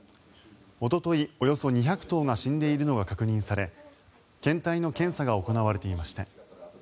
おととい、およそ２００頭が死んでいるのが確認され検体の検査が行われていました。